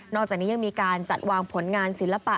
อกจากนี้ยังมีการจัดวางผลงานศิลปะ